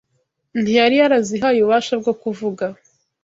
ntiyari yarazihaye ububasha bwo kuvuga